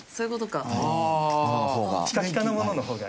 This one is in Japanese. ピカピカなものの方が。